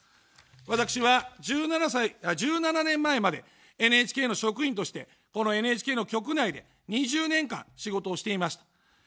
私は１７年前までＮＨＫの職員として、このＮＨＫの局内で２０年間仕事をしていました。